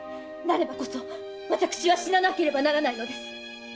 なればこそ私は死ななければならないのです。